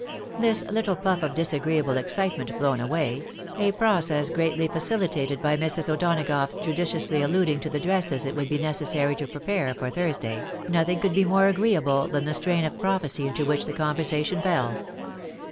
This little puff of disagreeable excitement blown awiay — a process greatly facilitated by Mrs. O'Donagough's judiciously alluding to the dresses it would be necessary to prepare for Thursday — nothing could be more agreeable than the strain of prophecy into which the conversation fell.